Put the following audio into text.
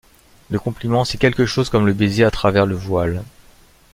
Le compliment, c’est quelque chose comme le baiser à travers le voile.